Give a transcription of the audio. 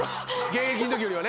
現役のときよりはね。